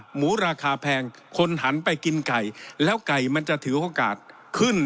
หมูราคาแพงคนหันไปกินไก่แล้วไก่มันจะถือโอกาสขึ้น